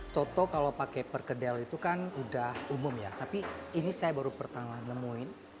contoh kalau pakai perkedel itu kan udah umum ya tapi ini saya baru pertama nemuin